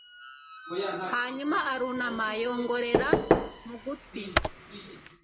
hanyuma arunama yongorera mu gutwi